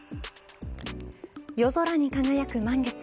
夜空に輝く満月。